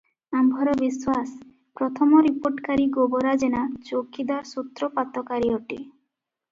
ଆମ୍ଭର ବିଶ୍ୱାସ, ପ୍ରଥମ ରିପୋର୍ଟକାରୀ ଗୋବରା ଜେନା ଚୌକିଦାର ସୂତ୍ରପାତକାରୀ ଅଟେ ।